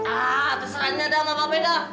ah terserahnya dah sama babe dah